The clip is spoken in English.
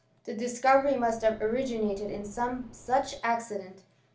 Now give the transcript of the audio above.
the discovery must have originated in some such acd dent.